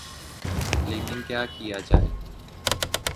لیکن کیا کیا جائے۔